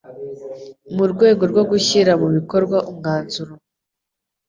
Mu rwego rwo gushyira mu bikorwa umwanzuro